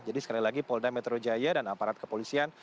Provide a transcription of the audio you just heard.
jadi sekali lagi polda metro jaya dan aparat kepolisian